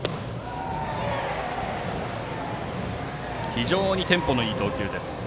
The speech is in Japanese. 非常にテンポのいい投球です。